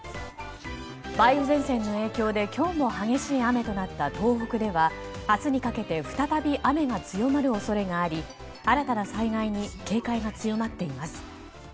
梅雨前線の影響で今日も激しい雨となった東北では明日にかけて再び雨が強まる恐れがあり新たな災害に警戒が強まっています。